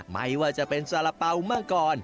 ไม่ว่าจะเป็นสาระเป๋ามังกร